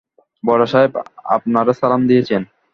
বড় সাহেব আপনেরে সালাম দিছেন।